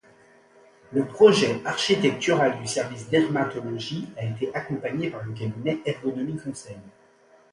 Le projet architectural du service dermatologie a été accompagné par le cabinet Ergonomie conseil.